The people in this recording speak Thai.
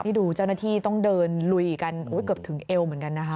ดูเจ้าหน้าที่ต้องเดินลุยกันเกือบถึงเอวเหมือนกันนะคะ